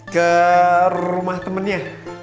ke rumah temennya